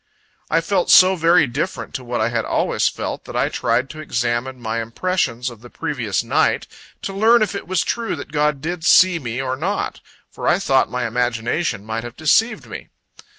I felt so very different to what I had always felt, that I tried to examine my impressions of the previous night, to learn if it was true that God did see me or not; for I thought my imagination might have deceived me.